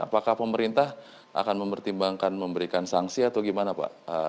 apakah pemerintah akan mempertimbangkan memberikan sanksi atau gimana pak